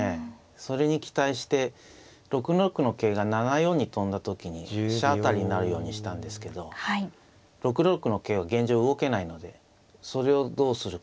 それに期待して６六の桂が７四に跳んだ時に飛車当たりになるようにしたんですけど６六の桂は現状動けないのでそれをどうするか。